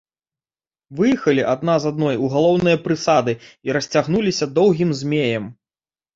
Выехалі адна за адной у галоўныя прысады і расцягнуліся доўгім змеем.